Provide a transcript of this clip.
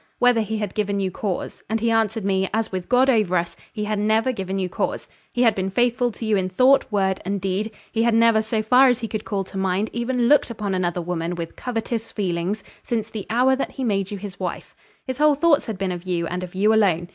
whether he had given you cause; and he answered me, as with God over us, he had never given you cause; he had been faithful to you in thought, word and deed; he had never, so far as he could call to mind, even looked upon another woman with covetous feelings, since the hour that he made you his wife; his whole thoughts had been of you, and of you alone.